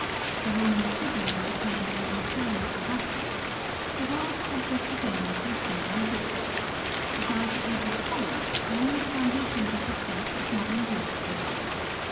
The Roman tribune became an imperial Augustus, the world subject again to a single will. The Dark Ages followed, wherein the foundations of the states of modern Europe were laid.